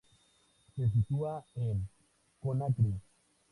Se sitúa en Conakri.